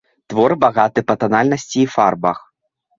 Твор багаты па танальнасці і фарбах.